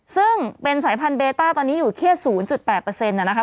ซึ่งเป็นสายพันธุเบต้าตอนนี้อยู่แค่๐๘นะคะ